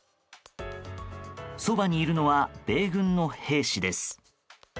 側にいるのは米軍の兵士です。